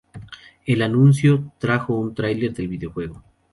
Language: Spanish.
El anuncio trajo un trailer del videojuego.